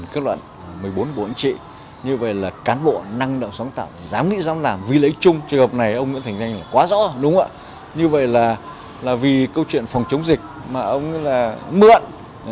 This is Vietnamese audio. câu chuyện phòng chống dịch mà ông mượn